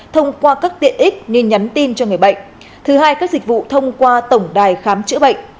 thông qua các tiện ích như nhắn tin cho người bệnh thứ hai các dịch vụ thông qua tổng đài khám chữa bệnh